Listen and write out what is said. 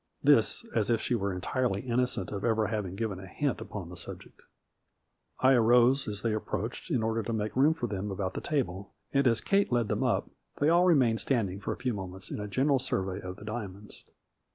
This as if she were entirely innocent of ever having given a hint upon the subject. I arose as they approached, in order to make room for them about the table, and as Kate led them up, they all remained standing for a few moments in a general survey of the diamonds.